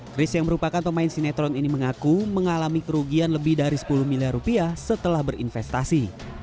chris yang merupakan pemain sinetron ini mengaku mengalami kerugian lebih dari sepuluh miliar rupiah setelah berinvestasi